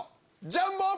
ジャンボ！